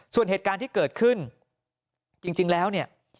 ส่วนเหตุการณ์ที่เกิดขึ้นจริงแล้วเนี่ย